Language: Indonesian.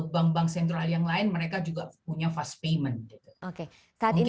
bank bank sentral yang lain mereka juga punya fast payment oke saat ini